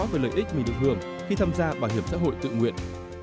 về lợi ích mình được hưởng khi tham gia bảo hiểm xã hội tự nguyện